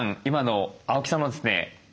今の青木さんのですね